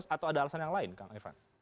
atau ada alasan yang lain kang ivan